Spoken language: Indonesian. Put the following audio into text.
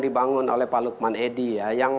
dibangun oleh pak lukman edi ya yang